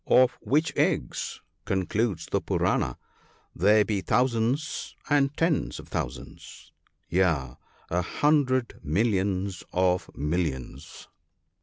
"Of which eggs," concludes the Poorana, "there be thousands, and tens of thousands — yea, a hundred millions of millions